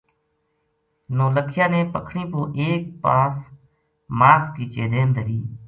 نولکھیا نے پکھنی پو ایک پاس ماس کی چیدین دھری